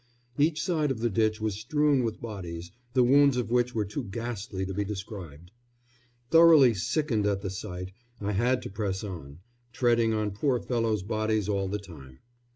Each side of the ditch was strewn with bodies, the wounds on which were too ghastly to be described. Thoroughly sickened at the sight, I had to press on, treading on poor fellows' bodies all the time.